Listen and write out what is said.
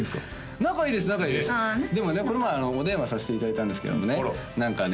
仲いいですでもねこの前お電話させていただいたんですけどもね何かね